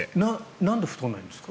なんで太らないんですか？